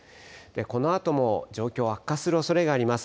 このあとも状況、悪化するおそれがあります。